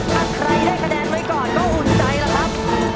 ถ้าใครได้คะแนนไว้ก่อนก็อุ่นใจแล้วครับ